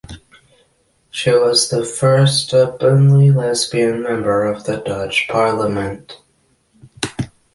She was the first openly lesbian member of the Dutch Parliament.